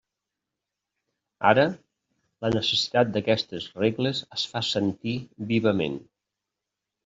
Ara, la necessitat d'aquestes regles es fa sentir vivament.